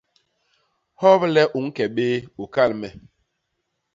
Hoble u ñke béé, u kal me.